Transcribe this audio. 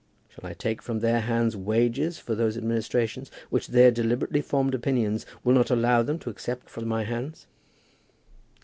Shall I take from their hands wages for those administrations, which their deliberately formed opinions will not allow them to accept from my hands?